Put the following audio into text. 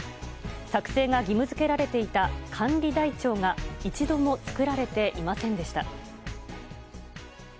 作成が義務付けられていた管理台帳が一度も作られていませんでした。